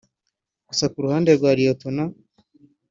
Gusa ku ruhande rwa Lt